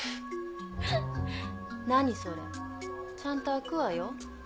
フフ何それちゃんと開くわよ。